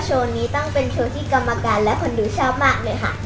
โชว์นี้ต้องเป็นโชว์ที่กรรมการและคนดูชอบมากเลยค่ะ